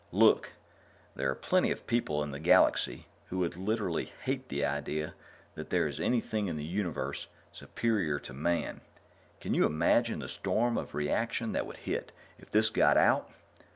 "Look, there are plenty of people in the galaxy who would literally hate the idea that there is anything in the universe superior to Man. Can you imagine the storm of reaction that would hit if this got out?